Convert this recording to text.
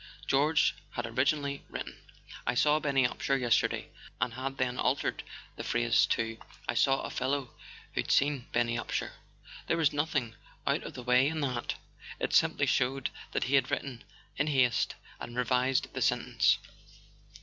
George had originally written: "I saw Benny Upsher yesterday," and had then altered the phrase to: "I saw a fellow who'd seen Benny Upsher." There was nothing out of the way in that: it simply showed that he had written in haste and revised the sentence.